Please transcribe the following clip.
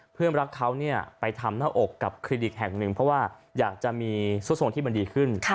เพื่อนรักเขาไปทำหน้าอกกับคลินิกแห่งหนึ่งเพราะว่าอยากจะมีซุดทรงที่มันดีขึ้น